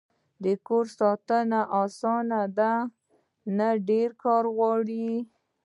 د کور ساتنه اسانه ده؟ نه، ډیر کار غواړی